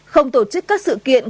không tổ chức các sự kiện